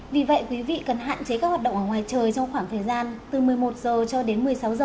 vì vậy quý vị cần hạn chế các hoạt động ở ngoài trời trong khoảng thời gian từ một mươi một h cho đến một mươi sáu h